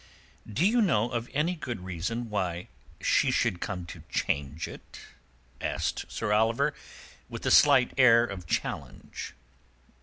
"Do you know of any good reason why she should come to change it?" asked Sir Oliver, with a slight air of challenge.